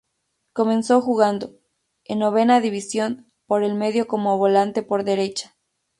Comenzó jugando, en Novena División, por el medio como volante por derecha.